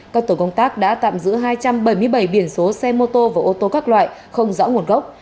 các tổ công tác đã tạm giữ hai trăm bảy mươi bảy biển số xe mô tô và ô tô các loại không rõ nguồn gốc